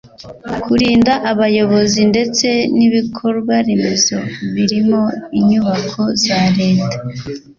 kurinda abayobozi ndetse n’ibikorwaremezo birimo inyubako za leta